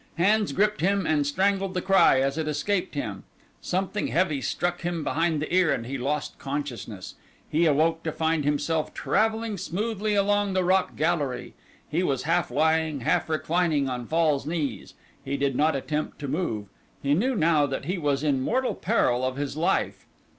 Hands gripped him and strangled the cry as it escaped him. Something heavy struck him behind the ear and he lost consciousness. He awoke to find himself travelling smoothly along the rock gallery. He was half lying, half reclining on Fall's knees. He did not attempt to move; he knew now that he was in mortal peril of his life.